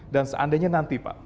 dan seandainya nanti pak